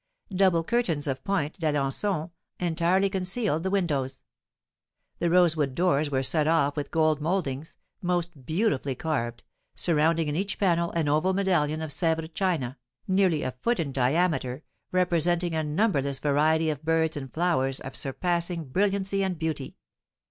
Double curtains of point d'Alençon entirely concealed the windows. The rosewood doors were set off with gold mouldings, most beautifully carved, surrounding in each panel an oval medallion of Sèvres china, nearly a foot in diameter, representing a numberless variety of birds and flowers of surpassing brilliancy and beauty.